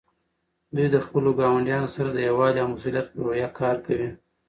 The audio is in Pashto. دوی د خپلو ګاونډیانو سره د یووالي او مسؤلیت په روحیه کار کوي.